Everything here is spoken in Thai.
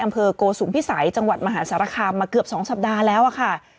อัมเภอกโกสุมพิสัยจังหวัดมหาสารคามมาเกือบสองสัปดาห์แล้วอ่ะค่ะ